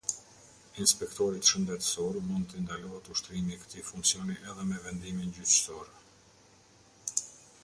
Inspektorit shëndetësor mund t'i ndalohet ushtrimi i këtij funksioni edhe me vendimin gjyqësor.